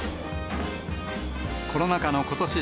コロナ禍のことし